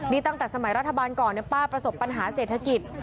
นี่ตั้งแต่สมัยรัฐบาลก่อนป้าประสบปัญหาเศรษฐกิจ